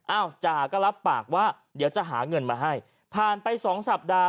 จ่าก็รับปากว่าเดี๋ยวจะหาเงินมาให้ผ่านไปสองสัปดาห์